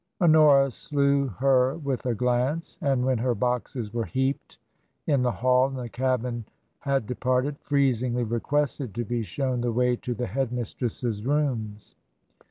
Honora slew her with a glance, and when her boxes were heaped in the hall and the cabman had departed, freezingly requested to be shown the way to the Head mistress's rooms.